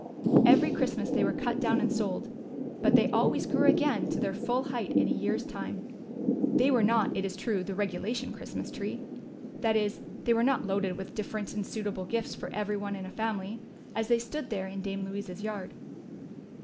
Every Christmas they were cut down and sold, but they always grew again to their full height in a year's time. They were not, it is true, the regulation Christmas tree. That is, they were not loaded with different and suitable gifts for every one in a family, as they stood there in Dame Louisa's yard.